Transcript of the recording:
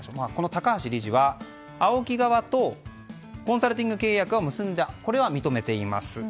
高橋理事はＡＯＫＩ側とコンサルティング契約を結んだことは認めています。